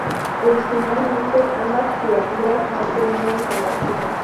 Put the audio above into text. Originalmente ambas criaturas no tenían relación.